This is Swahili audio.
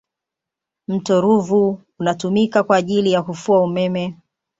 mto ruvu unatumika kwa ajili ya kufua umeme